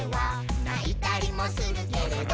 「ないたりもするけれど」